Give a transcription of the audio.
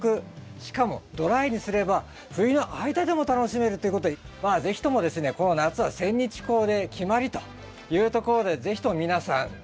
しかもドライにすれば冬の間でも楽しめるということでまあ是非ともですねこの夏はセンニチコウで決まりというところで是非とも皆さん